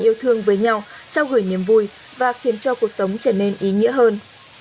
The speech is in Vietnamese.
yêu thương với nhau trao gửi niềm vui và khiến cho cuộc sống trở nên ý nghĩa hơn